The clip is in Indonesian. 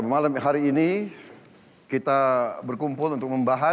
malam hari ini kita berkumpul untuk membahas